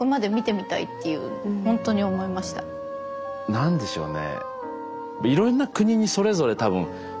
何でしょうね。